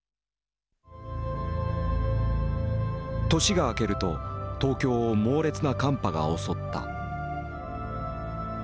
年が明けると東京を猛烈な寒波が襲った。